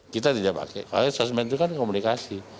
kita tidak pakai karena sosmed itu kan komunikasi